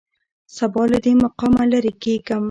سبا له دې مقامه لېرې کېږم.